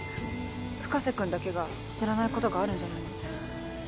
深瀬君だけが知らないことがあるんじゃないの？